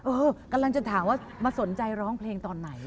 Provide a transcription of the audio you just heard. เออกำลังจะถามว่ามาสนใจร้องเพลงตอนไหน